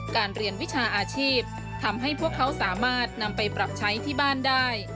การเรียนวิชาอาชีพทำให้พวกเขาสามารถนำไปปรับใช้ที่บ้านได้